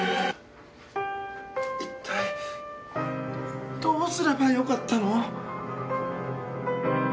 一体、どうすればよかったの？